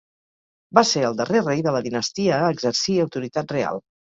Va ser el darrer rei de la dinastia a exercir autoritat real.